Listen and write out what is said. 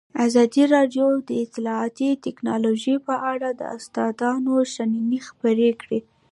ازادي راډیو د اطلاعاتی تکنالوژي په اړه د استادانو شننې خپرې کړي.